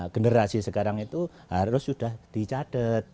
generasi sekarang itu harus sudah dicadet